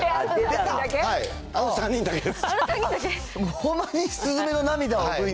あの３人だけです。